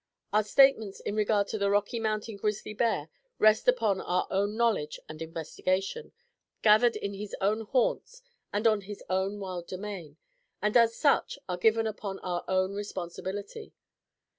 Our statements in regard to the Rocky Mountain grizzly bear rest upon our own knowledge and investigation, gathered in his own haunts and on his own wild domain; and, as such, are given upon our own responsibility.